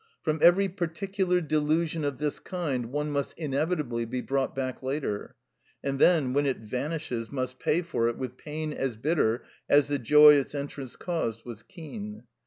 From every particular delusion of this kind one must inevitably be brought back later, and then when it vanishes must pay for it with pain as bitter as the joy its entrance caused was keen.